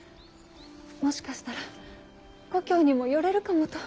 もしかしたら故郷にも寄れるかもと。